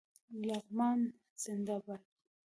لغمان زنده باد